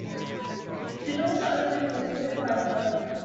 The doors are open for Food for Life Global.